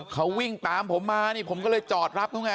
เขาวิ่งตามผมมานี่ผมก็เลยจอดรับเขาไง